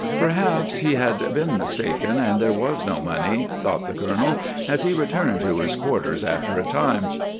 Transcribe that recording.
Perhaps he had been mistaken and there was no money, thought the colonel, as he returned to his quarters after a time.